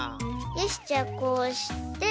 よしじゃあこうして。